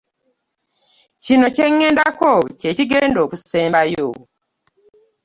Kino kye ŋŋendako kye kigenda okusembayo.